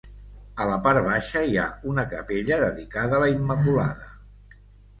A la part baixa hi ha una capella dedicada a la Immaculada.